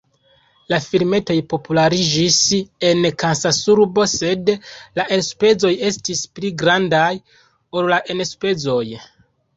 La filmetoj populariĝis en Kansasurbo sed la elspezoj estis pli grandaj ol la enspezoj.